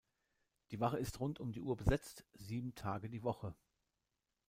Die Wache ist rund um die Uhr besetzt, sieben Tage die Woche.